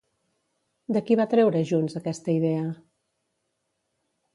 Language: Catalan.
De qui va treure Junts aquesta idea?